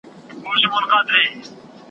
دا تربور هغه مي سیال دئ